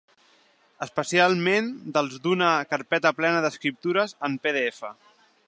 Especialment els d'una carpeta plena d'escriptures en pdf.